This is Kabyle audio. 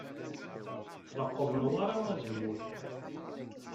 Tleqqeḍ Newwara azemmur.